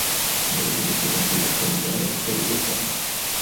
El origen de este apellido está ligado al apellido Font.